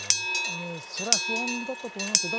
そりゃ不安だったと思いますよ。